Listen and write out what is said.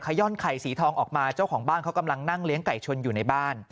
ย่อนไข่สีทองออกมาเจ้าของบ้านเขากำลังนั่งเลี้ยงไก่ชนอยู่ในบ้าน